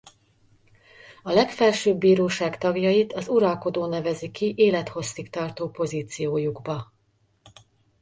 A legfelsőbb bíróság tagjait az uralkodó nevezi ki élethosszig tartó pozíciójukba.